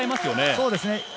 そうですね。